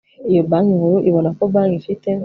Iyo Banki Nkuru ibona ko banki ifite